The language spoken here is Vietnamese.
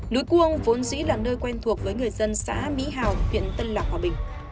núi cuông vốn dĩ là nơi quen thuộc với người dân xã mỹ hào huyện tân lạc hòa bình